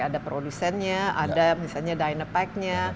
ada produsennya ada misalnya dynapack nya